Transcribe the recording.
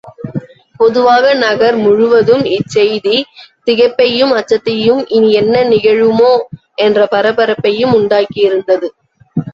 பொதுவாக நகர் முழுதும் இச் செய்தி திகைப்பையும் அச்சத்தையும் இனி என்ன நிகழுமோ? என்ற பர பரப்பையும் உண்டாக்கியிருந்தது.